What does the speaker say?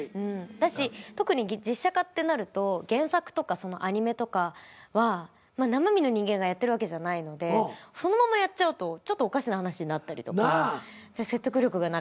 特に実写化ってなると原作とかアニメとかは生身の人間がやってるわけじゃないのでそのままやっちゃうとちょっとおかしな話になったりとか説得力がなかったりとかするので。